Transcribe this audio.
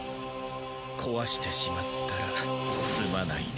壊してしまったらすまないね。